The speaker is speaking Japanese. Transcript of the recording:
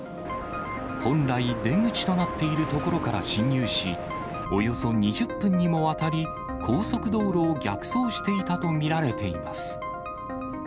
本来、出口となっている所から進入し、およそ２０分にもわたり、高速道路を逆走していたと見られています。